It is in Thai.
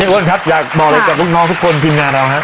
พี่นิอ้วนครับอยากบอกเลยกับลูกน้องทุกคนทีมงานเรา